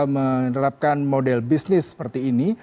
menerapkan model bisnis seperti ini